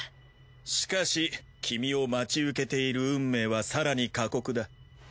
しかし君を待ち受けている運命は更に過酷だ。